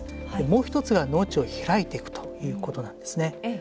もう１つが農地を開いていくということなんですね。